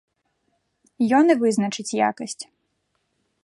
Ён і вызначыць якасць.